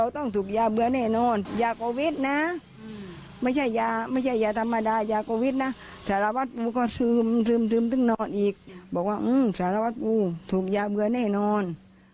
ถูกยาเบื้อแน่นอนยากวิทย์นะไม่ใช่ยาธรรมดายากวิทย์นะสารวัสปูก็ซืมซืมซืมซึ้งนอนอีกบอกว่าสารวัสปูถูกยาเบื้อแน่นอน